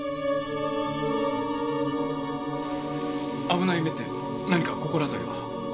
危ない目って何か心当たりは？